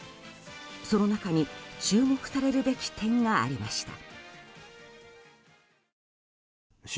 その中に、注目されるべき点がありました。